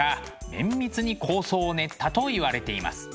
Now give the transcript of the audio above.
綿密に構想を練ったといわれています。